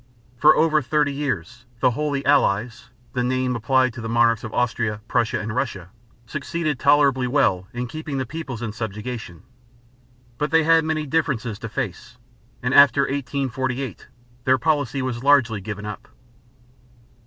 For over thirty years the "Holy Allies," the name applied to the monarchs of Austria, Prussia, and Russia, succeeded tolerably well in keeping the peoples in subjection. But they had many difficulties to face, and after 1848 their policy was largely given up.